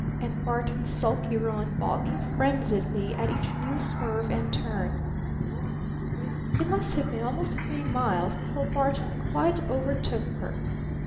And Barton's sulky roan balking frenziedly at each new swerve and turn! It must have been almost three miles before Barton quite overtook her.